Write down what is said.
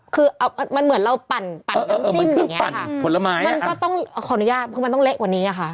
คือมันเหมือนเราปั่นน้ำจิ้มอย่างนี้ค่ะขออนุญาตคือมันต้องเล็กกว่านี้ค่ะ